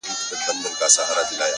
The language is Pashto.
کمزوری سوئ يمه’ څه رنگه دي ياده کړمه’